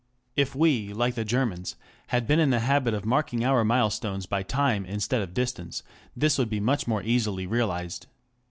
If we, like the Germans, had been in the habit of marking our milestones by time instead of distance, this would be much more easily realized.